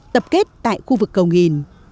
tập kết tại khu vực cầu nghìn